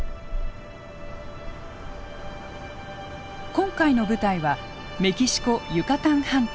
今回の舞台はメキシコユカタン半島。